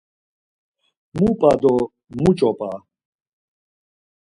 Mu p̌a do muç̌o p̌a?